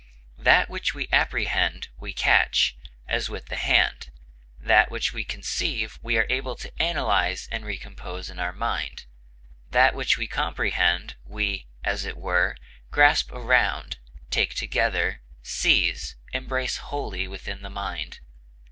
That which we apprehend we catch, as with the hand; that which we conceive we are able to analyze and recompose in our mind; that which we comprehend, we, as it were, grasp around, take together, seize, embrace wholly within the mind.